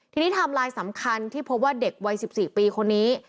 ทีนี้ไทม์ไลน์สำคัญที่พบว่าเด็กวัย๑๔ปีคนนี้